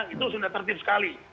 itu sudah tertib sekali